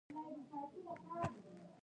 بې نظم غول د ستونزې اشاره ده.